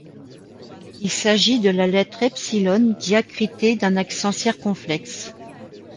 Il s’agit de la lettre epsilon diacritée d'un accent circonflexe.